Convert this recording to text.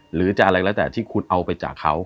หรือจะอะไรก็แล้วแต่ที่คุณเอาไปจากเขา